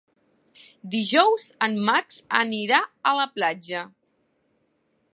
Dijous en Max anirà a la platja.